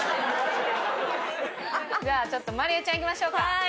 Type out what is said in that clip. じゃあちょっとまりえちゃんいきましょうか。